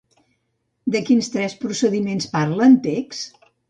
De quins tres procediments parla en text?